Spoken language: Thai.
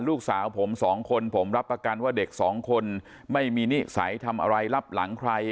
ลูกสาวผมสองคนผมรับประกันว่าเด็กสองคนไม่มีนิสัยทำอะไรรับหลังใคร